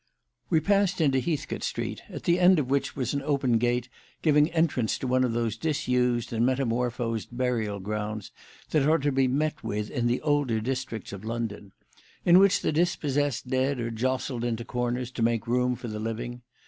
We passed into Heathcote Street, at the end of which was an open gate giving entrance to one of those disused and metamorphosed burial grounds that are to be met with in the older districts of London; in which the dispossessed dead are jostled into corners to make room for the living.